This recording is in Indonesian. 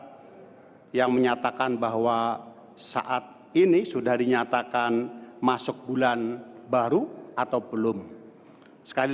hai yang menyatakan bahwa saat ini sudah dinyatakan masuk bulan baru atau belum sekali